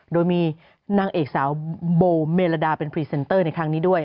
โดยมีนางเอกสาวโบเมลดาเป็นพรีเซนเตอร์ในครั้งนี้ด้วย